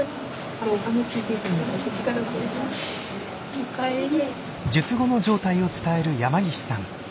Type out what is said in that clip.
お帰り。